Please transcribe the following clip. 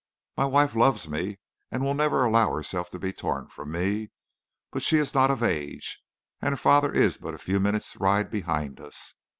My wife loves me, and will never allow herself to be torn from me; but she is not of age, and her father is but a few minutes' ride behind us.